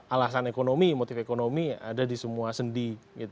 alasan ekonomi motif ekonomi ada di semua sendi